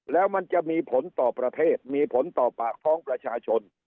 แล้วมันจะมีผลต่อประเทศมีผลต่อปากท้องประชาชน